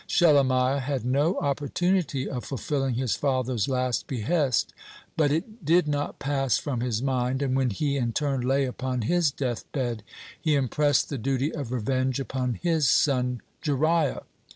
Shelemiah had no opportunity of fulfilling his father's last behest, but it did not pass from his mind, and when he, in turn, lay upon his death bed, he impressed the duty of revenge upon his son Jeriah.